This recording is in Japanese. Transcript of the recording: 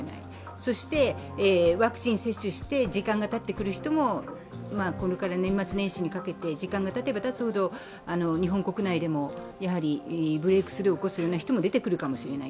そしてワクチン接種して時間がたってる人も、これから年末年始にかけて、時間がたてばたつほど日本国内でもブレークスルーを起こす人も出てくるかもしれない。